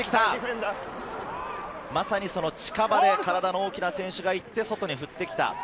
まさに近場で体の大きな選手がいて、外に振ってきた。